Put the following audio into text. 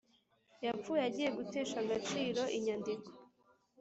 yapfuye agiye gutesha agaciro inyandiko